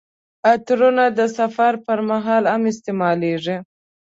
عطرونه د سفر پر مهال هم استعمالیږي.